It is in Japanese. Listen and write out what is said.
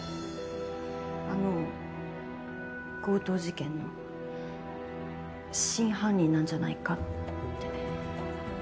あの強盗事件の真犯人なんじゃないかって。